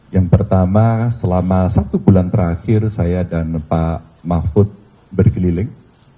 yang pertama selama satu bulan terakhir saya dan pak mahfud berkeliling